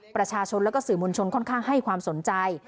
ประชาชนและก็สื่อมวลชนค่อนข้างให้ความสนใจ